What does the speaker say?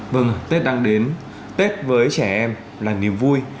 mừng tết đang đến tết với trẻ em là niềm vui